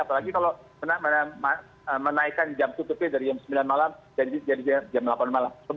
apalagi kalau menaikkan jam tutupnya dari jam sembilan malam jadi jam delapan malam